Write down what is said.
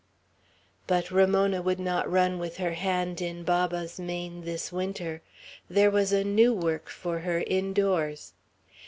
But Ramona would not run with her hand in Baba's mane this winter. There was a new work for her, indoors.